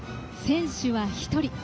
選手は１人。